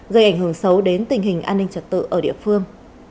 gây ảnh hưởng xấu đến tình hình an ninh trật tự ở địa phương